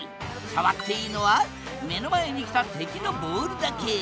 触っていいのは目の前に来た敵のボールだけ。